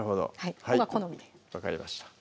まぁ好みで分かりました